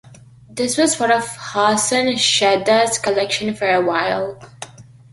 It was part of Hassan Shaida's collection for a while.